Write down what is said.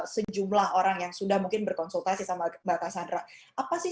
sejumlah orang yang sudah mungkin berkonsultasi sama mbak cassandra apa sih